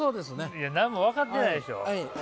いや何も分かってないでしょ。